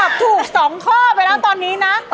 ตอบถูก๒ข้อไปแล้วจุดล่ะ